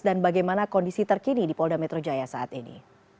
dan bagaimana kondisi terkini di polda metro jaya saat ini